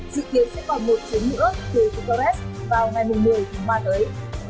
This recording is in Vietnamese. dự kiến sẽ còn một chiếc nữa từ bunkarest vào ngày một mươi tháng ba tới